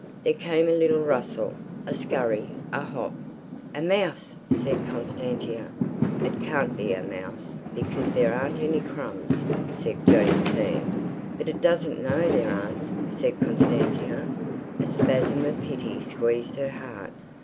There came a little rustle, a scurry, a hop. "A mouse," said Constantia. "It can't be a mouse because there aren't any crumbs," said Josephine. "But it doesn't know there aren't," said Constantia. A spasm of pity squeezed her heart.